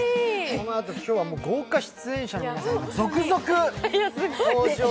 このあと今日は豪華出演者の皆さんが続々登場ということで。